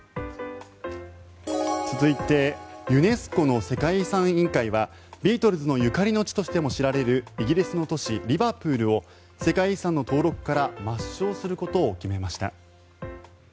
続いてユネスコの世界遺産委員会はビートルズのゆかりの地としても知られるイギリスの都市リバプールを世界遺産の登録から抹消することを決めました。